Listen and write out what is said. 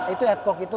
itu adcock itu